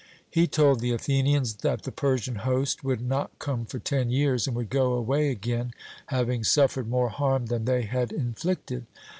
He told the Athenians that the Persian host would not come for ten years, and would go away again, having suffered more harm than they had inflicted.